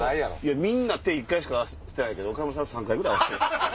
みんな手１回しか合わせないけど岡村さん３回ぐらい合わせて。